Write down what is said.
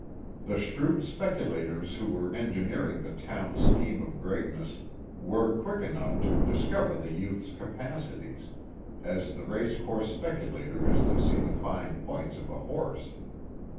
The shrewd speculators who were engineering the town's scheme of greatness, were quick enough to discover the youth's capacities, as the race course speculator is to see the fine points of a horse.